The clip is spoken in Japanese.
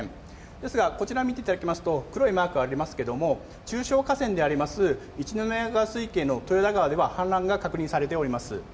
ですが、こちら見ていただきますと、黒いマークがありますけれども、中小河川であります、一宮川水系のとよだ川では、氾濫が確認されております。